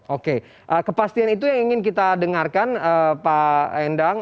oke kepastian itu yang ingin kita dengarkan pak endang